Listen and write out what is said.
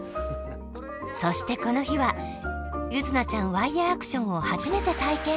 そしてこの日は柚凪ちゃんワイヤーアクションをはじめて体験。